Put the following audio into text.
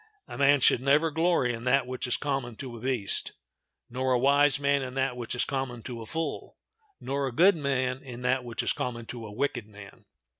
A man should never glory in that which is common to a beast; nor a wise man in that which is common to a fool; nor a good man in that which is common to a wicked man.